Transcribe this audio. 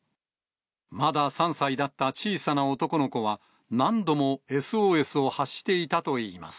まだ３歳だった小さな男の子は、何度もＳＯＳを発していたといいます。